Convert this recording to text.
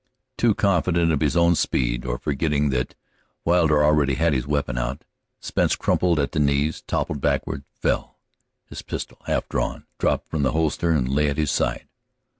Too confident of his own speed, or forgetting that Wilder already had his weapon out, Spence crumpled at the knees, toppled backward, fell. His pistol, half drawn, dropped from the holster and lay at his side.